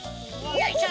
よいしょ！